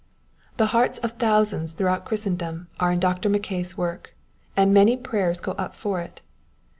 The hearts of thousands throughout Christendom are in Dr. Mackay's work, and many prayers go up for it.